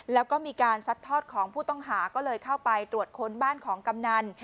แล้วก็มีการซัดทอดของผู้ต้องหาก็เลยเข้าไปตรวจค้นบ้านของกำนัน